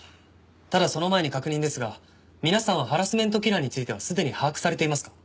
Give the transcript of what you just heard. ただその前に確認ですが皆さんはハラスメントキラーについてはすでに把握されていますか？